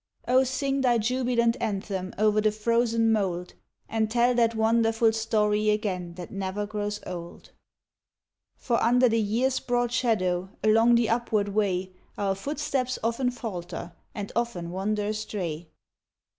Oh, sing thy jubilant anthem Over the frozen mould, And tell that wonderful story Again, that never grows old! For under the year's broad shadow, Along the upward way, Our footsteps often falter, And often wander astray.